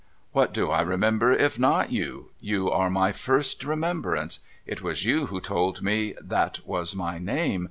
' What do I remember if not you ? You are my first remembrance. It was you who told me that was my name.